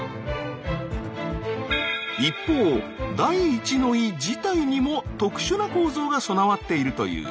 一方第一の胃自体にも特殊な構造が備わっているという。